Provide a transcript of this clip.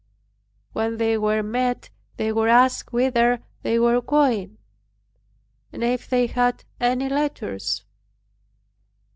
When they were met they were asked whither they were going, and if they had any letters.